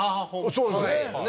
そうですね。